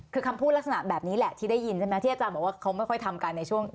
คือคำพูดลักษณะแบบนี้แหละที่ได้ยินใช่ไหมที่อาจารย์บอกว่าเขาไม่ค่อยทำกันในช่วง